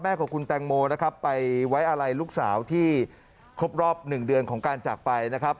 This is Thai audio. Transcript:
ของคุณแตงโมนะครับไปไว้อะไรลูกสาวที่ครบรอบหนึ่งเดือนของการจากไปนะครับ